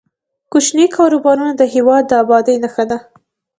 کوچني کاروبارونه د هیواد د ابادۍ نښه ده.